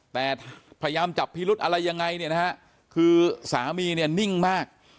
แต่พยายามจับพิรุธอะไรยังไงเนี่ยนะฮะคือสามีเนี่ยนิ่งมาก